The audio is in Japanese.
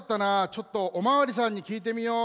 ちょっとおまわりさんにきいてみよう。